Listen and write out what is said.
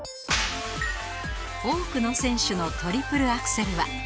多くの選手のトリプルアクセルは